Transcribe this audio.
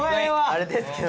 あれですけど。